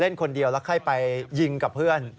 คนเดียวแล้วค่อยไปยิงกับเพื่อน